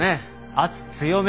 圧強めに。